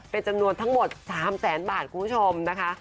เป็นจำนวนทั้งหมด๓แสนบาทคุณผู้ชมนะคะ